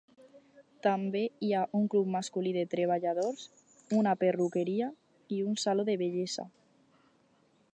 També hi ha un club masculí de treballadors, una perruqueria i un saló de bellesa.,